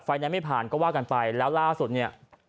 แนนซ์ไม่ผ่านก็ว่ากันไปแล้วล่าสุดเนี่ย